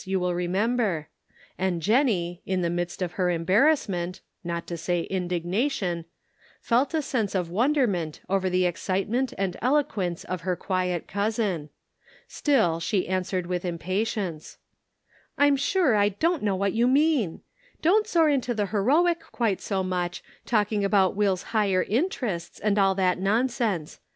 439 you will remember ; and Jennie, in the midst of her embarrassment — not to say indignation — felt a sense of wonderment over the excite ment and eloquence of her quiet cousin. Still she answered with impatience : "I'm sure I don't know what you mean. Don't soar into the heroic quite so much talk ing about Will's ' higher interests,' and all that nonsense.